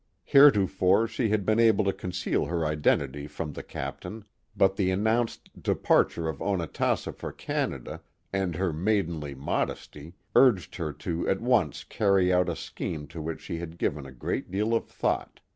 Heretofore she had been able to conceal her identity from ihe captain, but the announced departure of Onatassa for Canada, and her maidenly modesty, urged her to at once carry out a scheme to which she had given a great deal of thought.